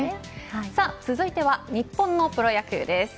さあ続いては日本のプロ野球です。